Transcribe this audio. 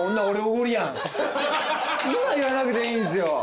今言わなくていいんすよ。